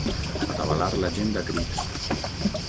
Atabalar la gent a crits.